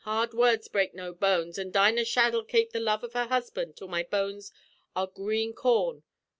'Hard words break no bones, an' Dinah Shadd'll kape the love av her husband till my bones are green corn.